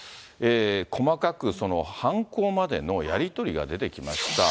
細かく犯行までのやり取りが出てきました。